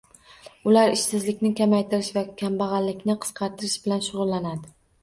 Ular ishsizlikni kamaytirish va kambag‘allikni qisqartirish bilan shug‘ullanadi